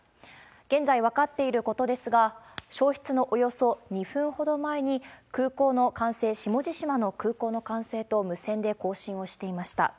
現在分かっていることですが、消失のおよそ２分ほど前に、空港の管制、下地島の空港の管制と無線で交信をしていました。